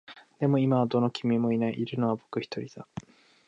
でも、今はどの君もいない。いるのは僕一人だ。